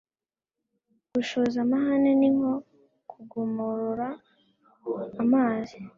Gushoza amahane ni nko kugomorora amazi